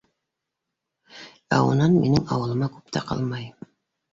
Ә унан минең ауылыма күп тә ҡалмай.